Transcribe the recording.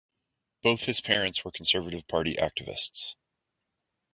Both his parents were Conservative Party activists.